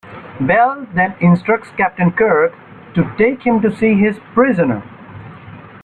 Bele then instructs Captain Kirk to take him to see his "prisoner".